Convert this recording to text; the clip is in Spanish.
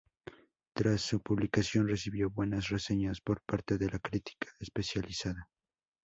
Tras su publicación recibió buenas reseñas por parte de la crítica especializada.